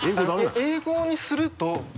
英語にすると。